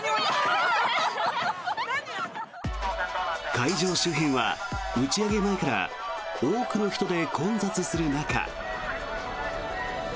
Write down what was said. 会場周辺は打ち上げ前から多くの人で混雑する中。